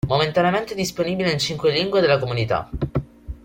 Momentaneamente disponibile in cinque lingue della comunità.